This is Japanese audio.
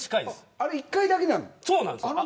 あれ１回だけなの。